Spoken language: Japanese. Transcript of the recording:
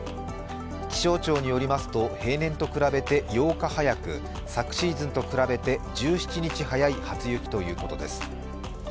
気象庁によりますと、平年と比べて８日早く昨シーズンと比べて１７日早い初雪ということです。